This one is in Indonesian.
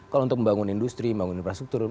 kalau untuk membangun industri membangun infrastruktur